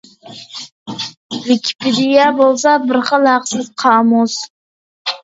ۋىكىپېدىيە بولسا بىر خىل ھەقسىز قامۇس.